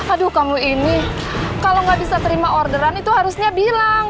aduh kamu ini kalau nggak bisa terima orderan itu harusnya bilang